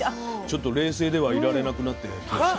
ちょっと「冷静」ではいられなくなってきました。